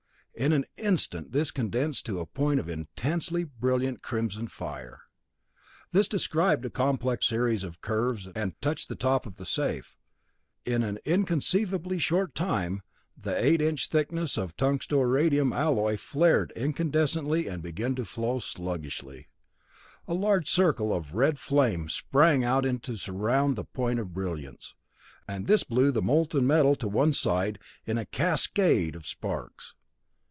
In an instant this condensed to a point of intensely brilliant crimson fire. This described a complex series of curves and touched the top of the safe. In an inconceivably short time, the eight inch thickness of tungsto iridium alloy flared incandescently and began to flow sluggishly. A large circle of the red flame sprang out to surround the point of brilliance, and this blew the molten metal to one side, in a cascade of sparks.